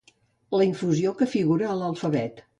La infusió que figura a l'alfabet.